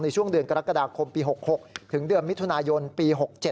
ในช่วงเดือนกรกฎาคมปี๖๖ถึงเดือนมิถุนายนปี๖๗